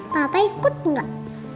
papa ikut gak